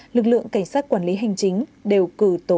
lực lượng cảnh sát quản lý hành chính đều cử tổ công